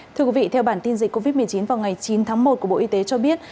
thưa quý vị theo bản tin dịch covid một mươi chín vào ngày chín tháng một của bộ y tế cho biết